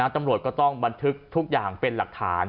ตำรวจก็ต้องบันทึกทุกอย่างเป็นหลักฐาน